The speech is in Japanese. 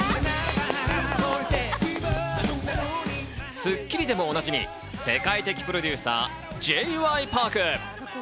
『スッキリ』でもおなじみ、世界的プロデューサー、Ｊ．Ｙ．Ｐａｒｋ。